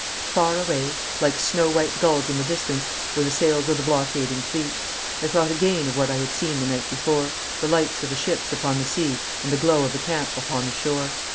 Far away, like snow white gulls in the distance, were the sails of the blockading fleet. I thought again of what I had seen the night before the lights of the ships upon the sea and the glow of the camp upon the shore.